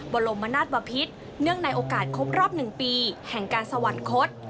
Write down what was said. บรมนาศบพิษเนื่องในโอกาสครบรอบ๑ปีแห่งการสวรรคต